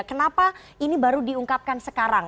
kenapa ini baru diungkapkan sekarang